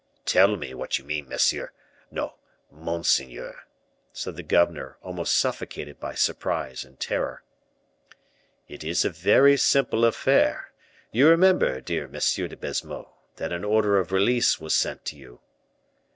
"Tell me what you mean, monsieur no, monseigneur," said the governor, almost suffocated by surprise and terror. "It is a very simple affair: you remember, dear M. de Baisemeaux, that an order of release was sent to you."